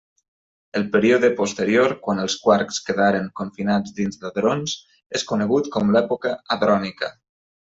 El període posterior, quan els quarks quedaren confinats dins d'hadrons, és conegut com l'època hadrònica.